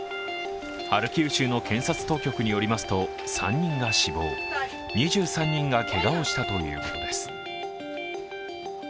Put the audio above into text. ハルキウ州の検察当局によりますと３人が死亡、２３人がけがをしたということです。